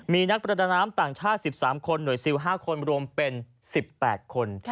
มีนักประดาน้ำต่างชาติสิบสามคนหน่วยซิลห้าคนรวมเป็นสิบแปดคน